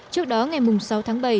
trước đó ngày sáu tháng bảy